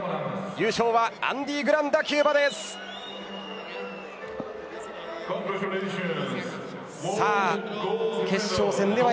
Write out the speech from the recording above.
優勝はアンディ・グランダキューバの選手です。